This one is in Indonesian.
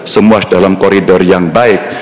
semua dalam koridor yang baik